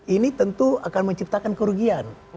ini tentu akan menciptakan kerugian